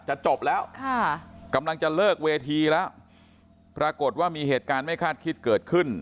จบแล้วค่ะกำลังจะเลิกเวทีแล้วปรากฏว่ามีเหตุการณ์ไม่คาดคิดเกิดขึ้น